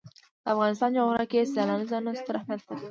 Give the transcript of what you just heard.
د افغانستان جغرافیه کې سیلانی ځایونه ستر اهمیت لري.